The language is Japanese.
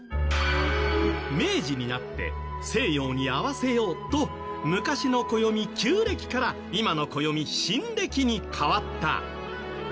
明治になって西洋に合わせようと昔の暦旧暦から今の暦新暦に変わった。